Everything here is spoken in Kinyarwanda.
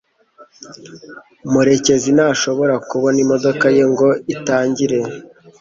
murekezi ntashobora kubona imodoka ye ngo itangire